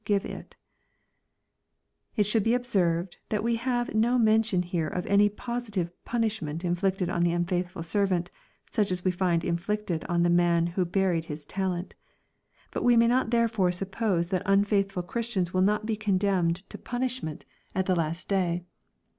give it] It should be observed, that we have no mention here of any positive punishment inflicted on the unfaithful servant, such as we find inflicted on the man who buried his talent But we may not therefore suppose that un faithful Ch ristians will not be condemned to punishment at. tha B06 EXPOSITORY THOUGHTS. last day.